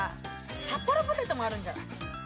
サッポロポテトもあるんじゃない？